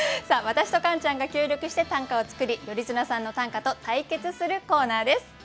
さあ私とカンちゃんが協力して短歌を作り頼綱さんの短歌と対決するコーナーです。